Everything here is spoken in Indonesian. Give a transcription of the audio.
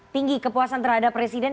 tinggi kepuasan terhadap presiden